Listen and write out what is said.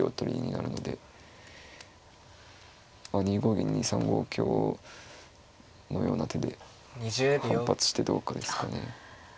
銀に３五香のような手で反発してどうかですかね。